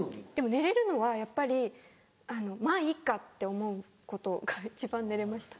寝れるのはやっぱり「まぁいっか」って思うことが一番寝れました。